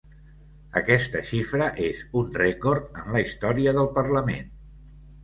Aquesta xifra és un rècord en la història del parlament.